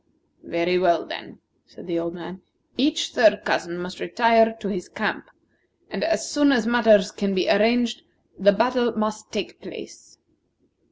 "Very well, then," said the old man, "each third cousin must retire to his camp, and as soon as matters can be arranged the battle must take place."